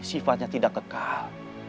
sifatnya tidak kekal